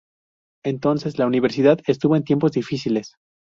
Entonces, la universidad estuvo en tiempos difíciles.